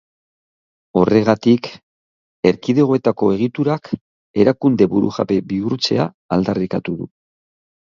Horregatik, erkidegoetako egiturak erakunde burujabe bihurtzea aldarrikatu du.